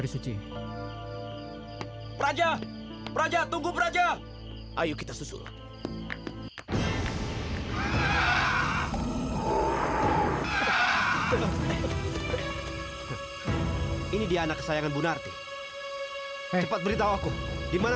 sudah jangan banyak bicara